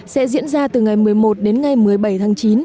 sẽ diễn ra từ ngày một mươi một đến ngày một mươi bảy tháng chín